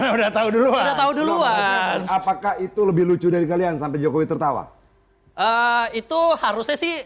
udah tahu dulu udah tahu duluan apakah itu lebih lucu dari kalian sampai jokowi tertawa itu harusnya sih